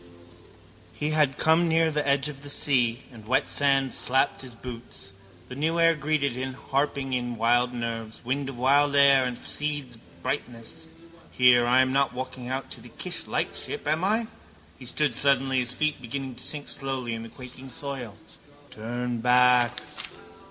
He had come nearer the edge of the sea and wet sand slapped his boots. The new air greeted him, harping in wild nerves, wind of wild air of seeds of brightness. Here, I am not walking out to the Kish lightship, am I? He stood suddenly, his feet beginning to sink slowly in the quaking soil. Turn back.